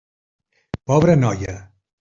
Pobra noia!